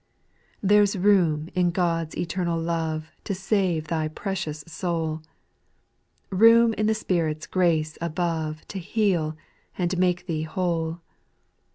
2. There 's room in God's eternal love To save thy precious soul ; Room in the Spirit's grace above To heal and make thee whole.